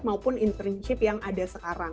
maupun internship yang ada sekarang